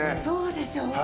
そうでしょ？